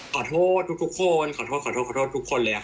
ขอโทษทุกคนขอโทษทุกคนเลยอะค่ะ